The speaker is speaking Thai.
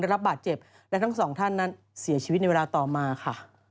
รับบาดเจ็บและทั้งสองท่านนั้นเสียชีวิตในเวลาต่อมาค่ะ